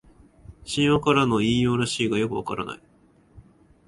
神話からの引用らしいがよくわからない